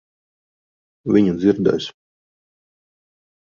Viņa dzirdēs.